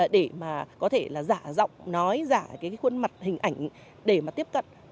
để mà có thể là giả giọng nói giả cái khuôn mặt hình ảnh để mà tiếp cận